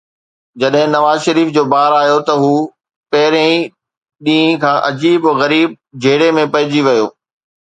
جڏهن نواز شريف جو بار آيو ته هو پهرئين ڏينهن کان عجيب و غريب جهيڙي ۾ پئجي ويو.